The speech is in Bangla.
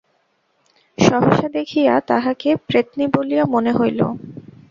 সহসা দেখিয়া, তাহাকে প্রেতনী বলিয়া মনে হইল।